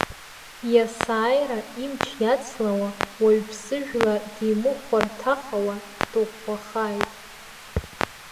Иасааира имч иацлауа, уаҩԥсыжәла димыхәарҭахауа дыӷәӷәахаит.